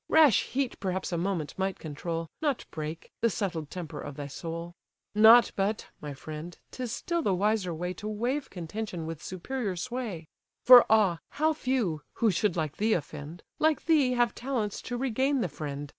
Rash heat perhaps a moment might control, Not break, the settled temper of thy soul. Not but (my friend) 'tis still the wiser way To waive contention with superior sway; For ah! how few, who should like thee offend, Like thee, have talents to regain the friend!